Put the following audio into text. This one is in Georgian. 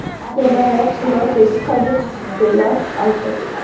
მდებარეობს ლოქის ქედის ჩრდილოეთ კალთაზე.